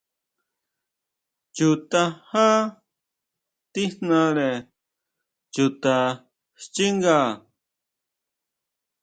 Chu tajá tíjnare chuta xchínga.